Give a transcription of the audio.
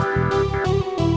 aku pengen ambil